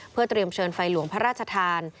เพื่อเตรียมเชิญไฟหลวงพระราชทาน